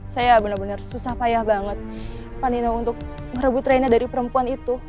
saya benar benar susah payah banget panino untuk merebut rena dari perempuan itu